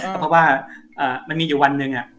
ก็เพราะว่ามันมีอยู่วันหนึ่ง